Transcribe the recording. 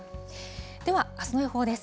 ではあすの予報です。